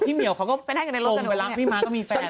พี่เมย์เขาก็ปรงไปรักพี่มั๊กก็มีแฟน